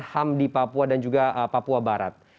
ham di papua dan juga papua barat